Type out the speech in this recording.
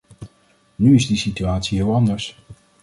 Nu is die situatie heel anders.